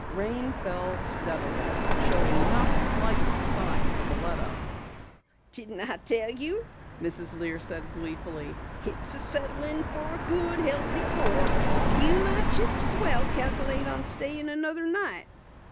Rain fell steadily, showing not the slightest sign of a let up. "Didn't I tell you," Mrs. Lear said gleefully. "It's settlin' for a good healthy pour. You might jest as well calculate on stayin' another night."